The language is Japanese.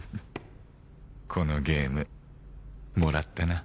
このゲームもらったな